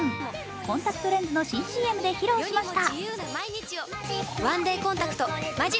コンタクトレンズの新ＣＭで披露しました。